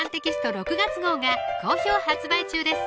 ６月号が好評発売中です